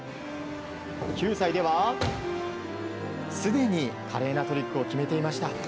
９歳ではすでに華麗なトリックを決めていました。